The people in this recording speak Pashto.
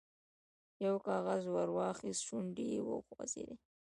یو کاغذ ور واخیست، شونډې یې وخوځېدې.